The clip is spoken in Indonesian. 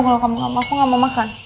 kalau kamu gak mau aku gak mau makan